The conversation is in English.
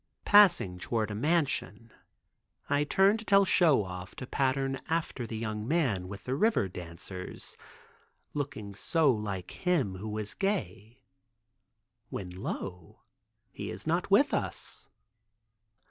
Passing toward a mansion I turn to tell Show Off to pattern after the young man with the river dancers, looking so like him who was gay, when lo! he is not with us.